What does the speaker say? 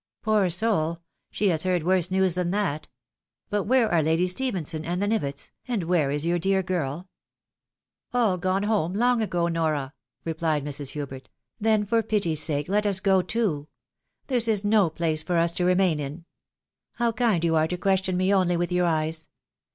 Poor soul 1 she has heard worse news than that ! But where are Lady Ste phenson and the Nivetts, and where is your dear gifl ?"" All gone home long ago, Nora," replied Mrs. Hubert. " Then for pity's sake let us go too ! This is no place for us to remain in ! How kind you are to question me only with your eyes